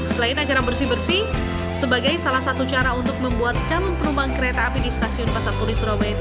selain acara bersih bersih sebagai salah satu cara untuk membuat calon penumpang kereta api di stasiun pasar turi surabaya ini